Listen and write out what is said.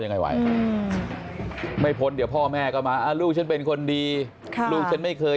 ยังไงไหวไม่พ้นเดี๋ยวพ่อแม่ก็มาลูกฉันเป็นคนดีลูกฉันไม่เคย